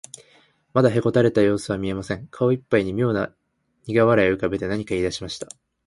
まだへこたれたようすは見えません。顔いっぱいにみょうなにが笑いをうかべて、何かいいだしました。